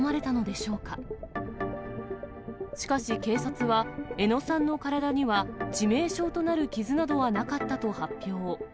しかし警察は、江野さんの体には致命傷となる傷などはなかったと発表。